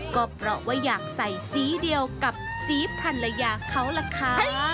ก็บอกว่าอยากใส่สีเดียวกับสีภรรยาเขาแหละค่ะ